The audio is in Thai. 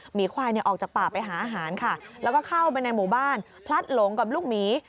หมีควายออกจากป่าไปหาอาหารค่ะแล้วก็เข้าไปในหมู่บ้านพลัดหลงกับลูกหมี